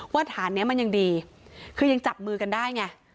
ฐานนี้มันยังดีคือยังจับมือกันได้ไง